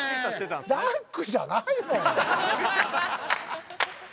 ダンクじゃない。